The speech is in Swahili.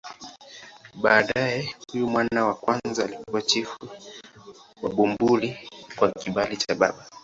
Baadaye huyu mwana wa kwanza alikuwa chifu wa Bumbuli kwa kibali cha baba.